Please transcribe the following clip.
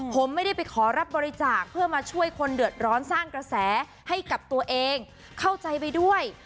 ผมไม่ได้ไปขอรับบริจาคเพื่อมาช่วยคนเดือดร้อนสร้างกระแสให้กับตัวเองเข้าใจไปด้วย